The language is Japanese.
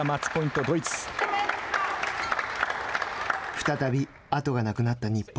再び後がなくなった日本。